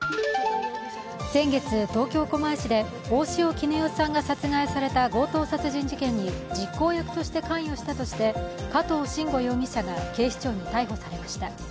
先月、東京・狛江市で大塩衣与さんが殺害された強盗殺人事件で実行役として関与したとして加藤臣吾容疑者が警視庁に逮捕されました。